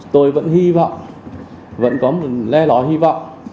tôi vẫn hy vọng vẫn có một le lọ hy vọng